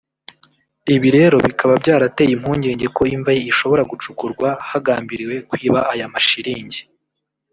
ibi rero bikaba byarateye impungenge ko imva ye ishobora gucukurwa hagambiriwe kwiba aya mashiringi